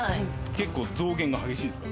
結構、増減激しいんですか？